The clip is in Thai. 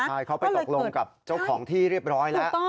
ใช่เขาไปตกลงกับเจ้าของที่เรียบร้อยแล้ว